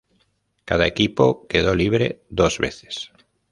Cada equipo quedó libre dos veces.